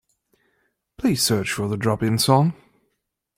Please search for the Drop-In song.